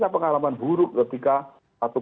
pengalaman buruk ketika satu